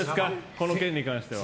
この件に関しては。